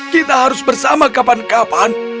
kita harus bersama kapan kapan